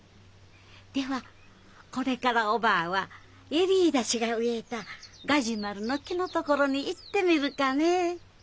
ではこれからおばぁは恵里たちが植えたガジュマルの樹の所に行ってみるかね。